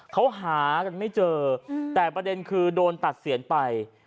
เขาหากันไม่เจอแต่ประเด็นคือโดนตัดเสียนไป